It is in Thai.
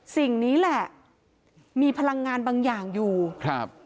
สิ่งนี้แหละมีพลังงานบางอย่างอยู่ครับ